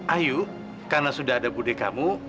ayu karena sudah ada budekamu